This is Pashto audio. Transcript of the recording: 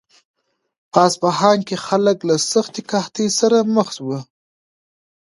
په اصفهان کې خلک له سختې قحطۍ سره مخ وو.